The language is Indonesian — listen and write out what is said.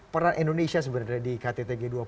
peran indonesia sebenarnya di kttg dua puluh